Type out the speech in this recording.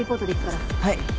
はい。